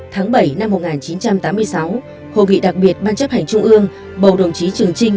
tháng bảy năm một nghìn chín trăm tám mươi sáu hội nghị đặc biệt ban chấp hành trung ương bầu đồng chí trường trinh